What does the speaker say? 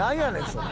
それ。